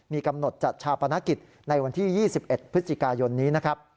มีกำหนดจัดชาวประนักกิจในวันที่๒๑พฤศจิกายนนี้